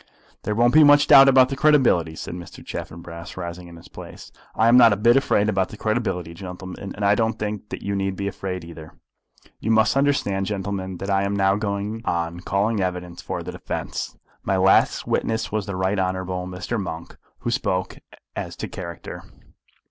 "There won't be much doubt about the credibility," said Mr. Chaffanbrass, rising in his place. "I am not a bit afraid about the credibility, gentlemen; and I don't think that you need be afraid either. You must understand, gentlemen, that I am now going on calling evidence for the defence. My last witness was the Right Honourable Mr. Monk, who spoke as to character.